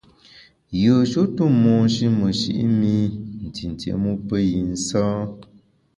Yùeshe tu monshi meshi’ mi ntintié mu pe yi nsâ.